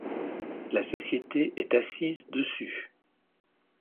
La société est assise dessus.